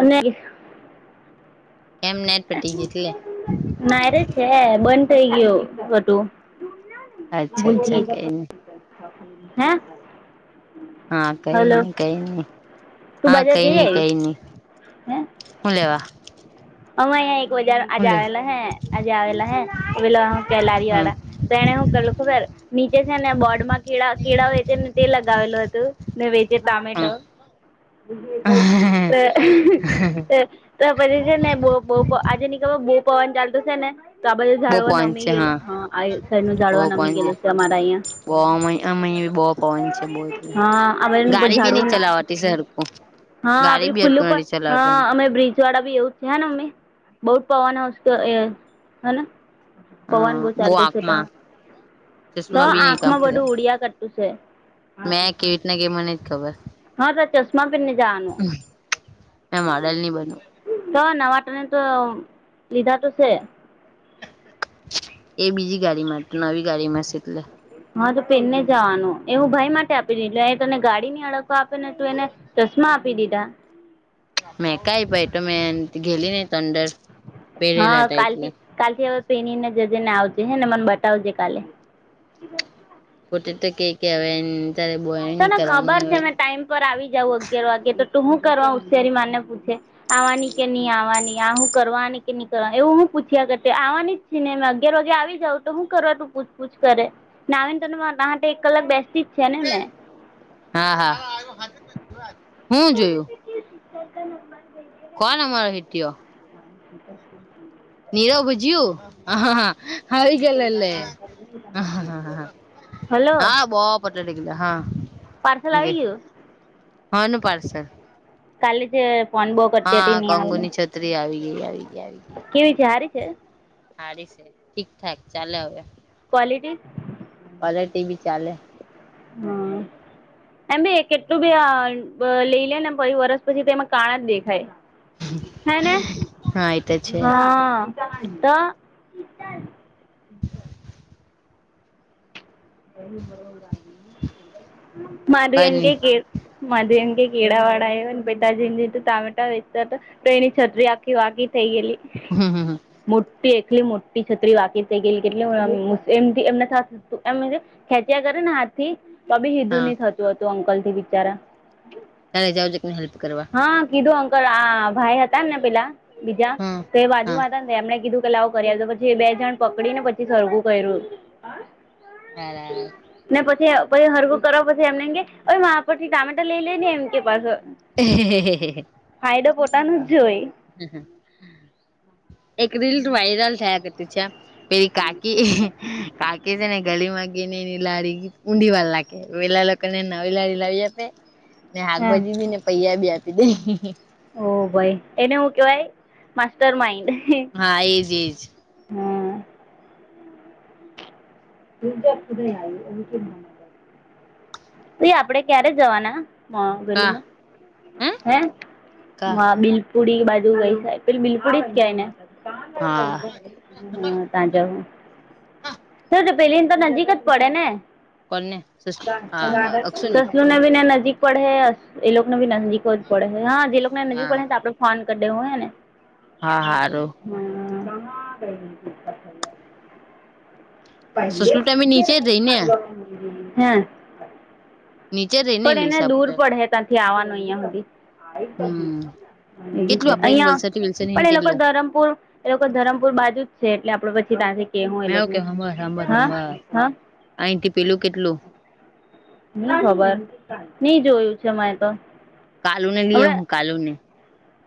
અને એમ ને એમ પટી ગયું એટલે નાયરે છે બંધ થઇ ગયુ બધું અચ્છા દૂધી અચ્છા કઈ નઈ હે હા કઈ હલો નઈ કઈ નઈ તું હા બજાર કઈ જઈ નઈ આવી કઈ નઈ હુ લેવા અમારે અહીંયા એક વજાર હું આજ લે આવેલા હૈ આજ આવેલા હૈ કે લારી હમ વાળા તેણે હુ કર્યું ખબર હે નીચે છે ને બોર્ડ માં કેળા કેળા વેચે ને તે લગાવેલું હતું ને વેચ જે ટમેટો ત હમ તો પછી ને બ બ બહુ આજે નીકળ બહુ પવન ચાલતું છે ને તો આ બાજુ બો જાળવો પવન નમી છે ગયેલો હા આ છે એનો જાળવો સાઈડનું નમી ગયલું છે અમારા અહિયાં બહુ અ અ બી બહુ પવન છે બહુ એટલે હા આ બાજુ નું ગાડી બી ની ઝાડવું ન- ચલાવાતી સરખું હા ગાડી પેલું બી ફૂલ હરખું ઉપર નથી પણ ચલાવતું હા અમે બ્રિજ વાળ બી એવું જ છે હે ને અમે બહુ જ પવન આવતો હેને હા પવન બહુ બો ચાલતું છે આંખમાં ત્યાં તો ચશ્મા બી નઈ કામ આંખમાં બધું ઉડિયા કરતું છે મેં કેવી રીતના ગઈ મને જ ખબર હા તો ચશ્મા પહેરીને જવાનું મે બાદલ ની બનું સવારના નવા ટ્રેન તો લીધા તો છે એ બીજી ગાડીમાં નવી ગાડીમાં છે એટલે હા તો પેનને જવાનું એ હું ભાઈ માટે આપી દેતા અ તને ગાડીની અડગ આપીને તું એને ચશ્મા આપી દીધા મેં કઈ પૈટો મેન ઘેલીને તંડર હા કાલથી કાલ થી હવે પેણી ને જજે ને આવજે હે ને મને બતાવજે કાલે પોતે તો કે કે હવે તારે બો હેરાન નહી તને કરવાનું ને ખબર છે હવે મેં ટાઈમ પર આવી જાઉં અગિયાર વાગે તો તું હું કરવા હોશિયારી મારને પૂછે આવાની કે નહી આવવાની આહું કરવાની કે નહી કરવા એવું હું પૂછ્યા કરે આવાની જ છેને અગિયાર વાગે આવી જાઉ તો શું કરવા તું પૂછ પૂછ કરે નાવીન તને મા [unintelligible] કલાક બેસ્ટતી જ છે ને મેં હા હા. [unintelligible] થોડ કે. [unintelligible] કોન અમરો હેતીઓ [inaudible] નીરવ ભુજયું હ હા આવી ગલે હ હા હ હ હ હલો હા બોવ પતલો થઈ ગેલો હા. પાર્સલ આવી ગયું. હાનુ પાર્સલ કાલે જે ફોન બો કરતી હતી નહી આવેલુ તરી આવી ગઈ આવી ગઈ આવી કેવી છે હારી છે. હારી છે ઠીક ઠાક ચાલે હવે ક્વોલિટી ક્વોલિટી બી ચાલે હા એમ બી કેટલું બી અ લઈ ને પહી વરસ પછી તો એમાં કાણા જ દેખાય. હેને હા એ તો છે હા તો મારુ કઈ એમ નહી કેે માધવી એમ કે કેળા વાડા આયવાને પિતાજીન ઈતો ટામેટા વેચતા તા તો એની છત્રી આખી વાકી થઈ ગેલી. હમ હમ. મોટી એકલી મોટી છત્રી વાકી થઈ ગયેલી કેટલી એમ એમને થતું એમ મજે ખેંચ્યા કરે ને હાથ થી તોબી હીધુ હા ની થતું હતું અંકલ થી બિચારા તારે જાવું જોઈએ કે હેલ્પ કરવા. હા કીધું અંકલ આ ભાઈ હતા ને પેલા બીજા હા તો એ હા બાજુમાં હતા ને એમણે કીધું લાવ કરીઆલુ તો પછી બે જણ પકડી ને પછી સરખુ કર્યું. સરસ ને પછી પછી હરખુ કરવા પછી એમને કે મારા પરથી ટામેટર લઈ લે ને એમ કે પાસો ફાયદો પોતાનું જ જોય. હ એક રીલ વાયરલ થયા કરતી છે. પેલી કાકી હં કાકી છે ને ગલીમાં ગેય ને એની લારી ઉધી વાળ લાખે પેલા લોકોને નવી લારી લાવી આપે ને હા હાકભાજી બી ને પૈહા બી આપી દે. ઓ ભાઈ એને હું કેવાય માસ્ટર માઈન્ડ હા એજ એજ [unintelligible] તઈ આપડે ક્યારે જવાના હ કા બરાબર હે કા [unintelligible] પુડી બાજુ ધ ઈ જાય પેલી બિલપુડી જ કેય એને હા હા તા જાવ પેલીને તો નજીક જ પડે ને. કોને [unintelligible] સસલુ ને બી ને નજીક પડે એ લોકોને બી નજીક પડે હા જે લોકોને નજીક હા પડે તો આપડે ફોન કરી દેહું હે ને [inaudible] હા હારું [unintelligible] સુષ્મિ તમે નીચે રહી ને હે નિચે રે પણ એને દૂર પડે હે ત્યાંથી આવાનું અહિયા હુધી છે હમ કેટલું આપડે અહિયાં વલસાડ થી વિલસન પણ એ લોકો કેટલું ધરમપુર એ લોકો ધરમપુર બાજુ જ છે એટલે આપડે પછી ત્યાંસે કે હું એ લોકો ને હાભર હાભર અહીંથી પેલું કેટલું ની ખબર નઈ જોયું છે મેતો કાલુ ને લઈ હું કાલુ ને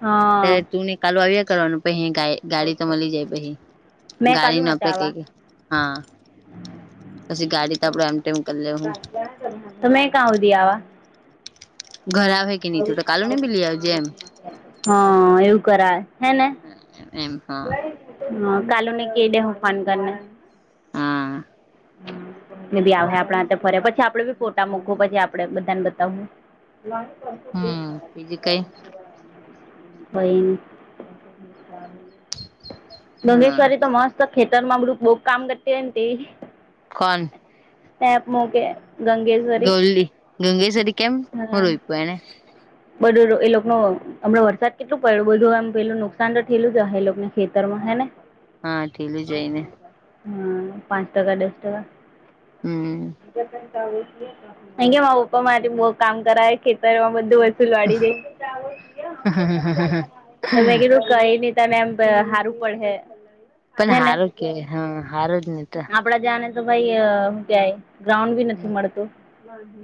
હા ત્યારે તુંને કાલુ આવ્યા કરવાનું પહી હે ગાય ગાડી તો મળી જાય પછી મેં કાલુ ગાડીને આપડે હતા આવા કઈ હા પછી ગાડી તો આપડો એમ ટેમ કરી લે હું. તમેં કા ઉ દવા. બરાબર. હા, એવું કરાય હે ને. એમ. હા, કાલુને કેડે હ ફન કર. હા. ને બી આવે, આપણા ફરે પછી આપડે બી ફોટા મૂકવા, પછી આપડે બધાને બતાવવું. હમ બીજું કઈ [unintelligible] હા ગંગેશ્વરી તો મસ્ત ખેતર માં બુંક બહુક કામ કરતી હોય ત કોન? સેપ મોકે ગંગેશ્વરી. ગંગેશ્વરીકેમ મુળવીપ એને. બધ એલો ન હમણા વરસાદ કેટલું પડ્યું, બધું એમ પેલું નુકસાન તો થઠેલું છે, હ એ લોકો ને ખેતરમાં હે ને. હા ઢીલું હા, જોઈને પાંચ ટકા, દસ ટકા. હમ છે. કે પપ્પા મારી બુ કામ કરાયે, ખેતરમાં બધું જ. ફિલવાડી દ મે કે [unintelligible] કઈ ને, તમે એમ હારું પડે. પણ હે હારો કે, હા હાર જ ને તો. કપડા જને તો ભાઈ ક્યાય? હમ,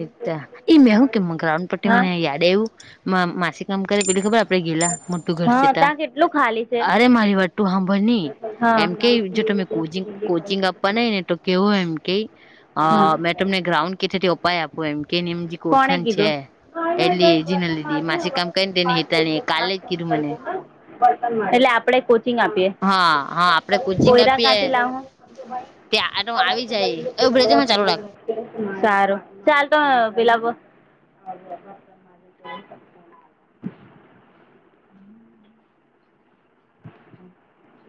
એત એઈ મેવુંકીમંગ્રઉન પટી હા મનેયા. દવ માસીક કામ કર બ ખબર આપ [unintelligible] ગેલા મોટું ઘર હા સતા ત્યાં કેટલું ખાલી છે અરે મારી વાત તું સાંભળ ની, હા એમ કે જો તમે કોચિંગ આપવા ન ને, તો કેવોય એમ કે હા મે તમને. ગ્રાઉન્ડ કેટથી અપાય આપો, એમ કે એમ જે ઓળખાય છે. હા ના ભ એલી જીના લીધી માસી કામ કરીને ગત તેને પાંચ હેતાણી કાલે જ કીધું મને કરતો હ [unintelligible] એટલે આપડે કોચિંગ આપીએ, હા હા આપડે કોચિંગ કોયરા આપીએ કાંથી લાવું. ત્યાં ભ અ આવી તો જાય એ બ્રેજમાં ચાલુ રાખ ભાઈ [unintelligible] સારું ચાલ તો, પેલા હ. હ. હમ.